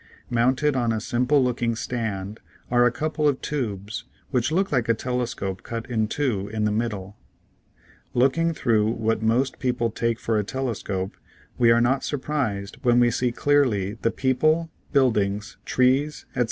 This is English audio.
Mounted on a simple looking stand are a couple of tubes which look like a telescope cut in two in the middle. Look Fig. 34. ing through what most people take for a telescope, we are not surprised when we see clearly the people, buildings, trees, etc.